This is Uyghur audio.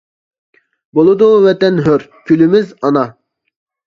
بولىدۇ ۋەتەن ھۆر، كۈلىمىز ئانا!